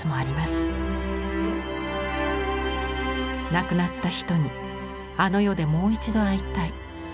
「亡くなった人にあの世でもう一度会いたい」。